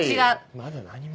まだ何も。